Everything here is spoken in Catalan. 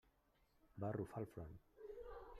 Va arrufar el front.